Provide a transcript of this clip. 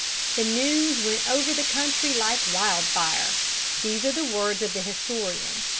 The news went over the country like wildfire. These are the words of the historian.